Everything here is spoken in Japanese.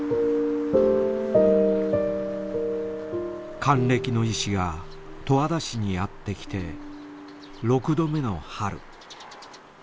還暦の医師が十和田市にやってきて６度目の春。